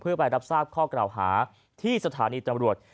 เพื่อไปรับทราบข้อกล่าวหาที่สถานีตำรวจ